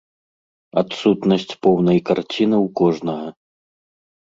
Адсутнасць поўнай карціны ў кожнага.